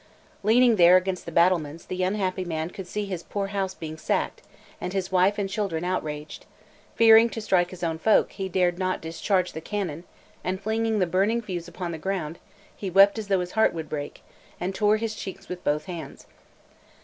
Leaning there against the battlements, the unhappy man could see his poor house being sacked, and his wife and children outraged; fearing to strike his own folk, he dared not discharge the cannon, and flinging the burning fuse upon the ground, he wept as though his heart would break, and tore his cheeks with both his hands.